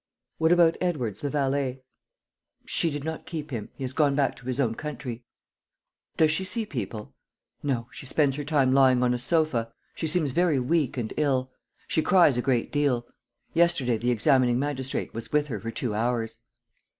"What about Edwards, the valet?" "She did not keep him. He has gone back to his own country." "Does she see people?" "No. She spends her time lying on a sofa. She seems very weak and ill. She cries a great deal. Yesterday the examining magistrate was with her for two hours."